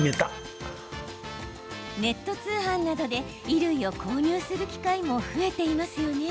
ネット通販などで衣類を購入する機会も増えていますよね。